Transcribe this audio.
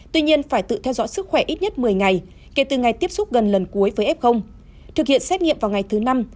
tuy nhiên phải tự theo dõi sức khỏe ít nhất một mươi ngày kể từ ngày tiếp xúc gần lần cuối với f thực hiện xét nghiệm vào ngày thứ năm